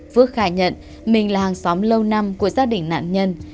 phước khai nhận mình là hàng xóm lâu năm của gia đình nạn nhân